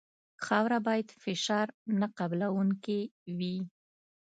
خاوره باید فشار نه قبلوونکې وي